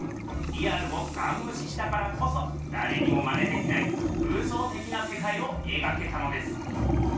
リアルをガンむししたからこそだれにもマネできない空想的なせかいをえがけたのです。